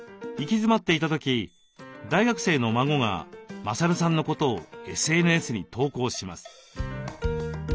行き詰まっていた時大学生の孫が勝さんのことをＳＮＳに投稿します。